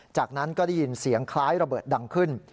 จากนั้นก็ได้ยินเสียงคล้ายระเบิดดังขึ้น